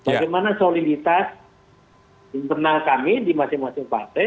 bagaimana soliditas internal kami di masing masing partai